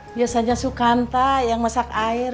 biasanya sukanta yang masak air